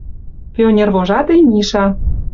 Пионервожатый Миша